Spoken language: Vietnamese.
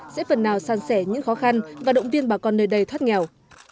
sẽ phần nào san sẻ những khó khăn và động viên bà con nơi đây thoát nghèo